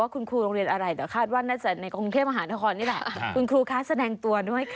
คุณครูคุณไฟแสดงตัวด่วนนะครับครูคะ